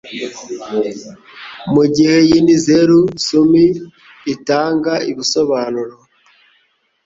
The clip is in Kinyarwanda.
mugihe Yin Zero-Sum itanga ibisobanuro